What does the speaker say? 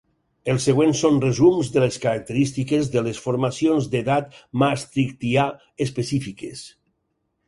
Els següents són resums de les característiques de les formacions d'edat Maastrichtià específiques.